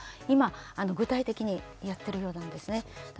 今、具体的にやっているようですね。